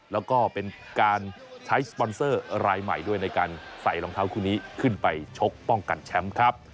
แล้วก็เป็นการใช้สปอนเซอร์รายใหม่ด้วยในการใส่รองเท้าคู่นี้ขึ้นไปชกป้องกันแชมป์ครับ